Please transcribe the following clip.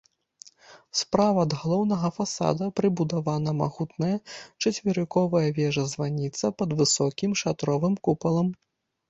Справа ад галоўнага фасада прыбудавана магутная чацверыковая вежа-званіца пад высокім шатровым купалам.